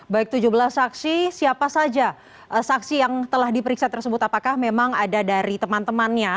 baik tujuh belas saksi siapa saja saksi yang telah diperiksa tersebut apakah memang ada dari teman temannya